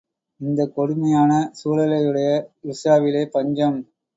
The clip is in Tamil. இந்தக் கொடுமையான சூழலையுடைய ருஷ்யாவிலே பஞ்சம்.